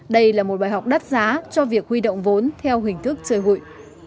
đây là một bài học đắt giá cho việc huy động vốn theo hình thức chơi hụi